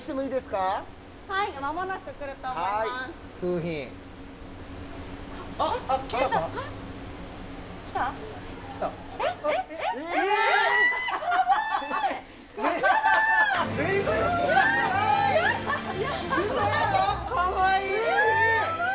かわいい！